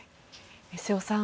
瀬尾さん